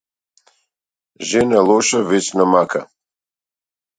Жена лоша вечна мака.